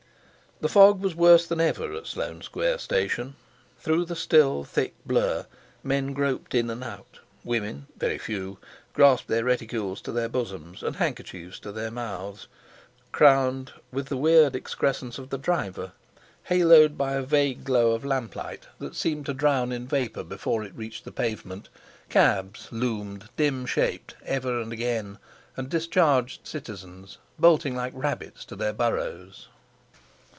The fog was worse than ever at Sloane Square station. Through the still, thick blur, men groped in and out; women, very few, grasped their reticules to their bosoms and handkerchiefs to their mouths; crowned with the weird excrescence of the driver, haloed by a vague glow of lamp light that seemed to drown in vapour before it reached the pavement, cabs loomed dim shaped ever and again, and discharged citizens, bolting like rabbits to their burrows.